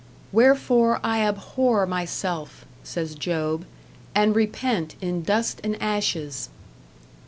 "Wherefore I abhor myself," says Job, "and repent in dust and ashes."